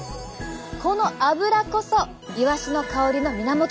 この脂こそイワシの香りの源なんです！